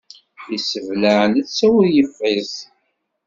Yesseblaɛ netta ul yeffiẓ.